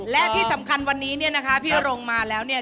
และที่สำคัญวันนี้เนี่ยนะคะพี่รงมาแล้วเนี่ย